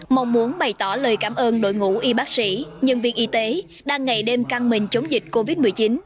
mong muốn bày tỏ lời cảm ơn đội ngũ y bác sĩ nhân viên y tế đang ngày đêm căng mình chống dịch covid một mươi chín